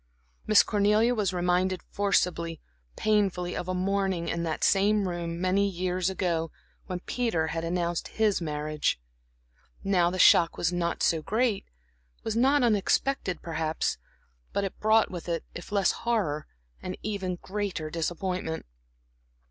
Miss Cornelia was reminded forcibly, painfully, of a morning in that same room many years ago, when Peter had announced his marriage. Now the shock was not so great, was not unexpected, perhaps; but it brought with it, if less horror, an even greater disappointment.